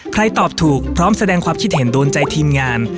ตอบถูกพร้อมแสดงความคิดเห็นโดนใจทีมงาน